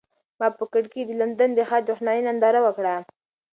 ما په کړکۍ کې د لندن د ښار د روښنایۍ ننداره وکړه.